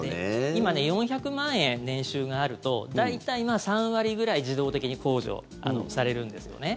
今、４００万円年収があると大体３割ぐらい自動的に控除されるんですよね。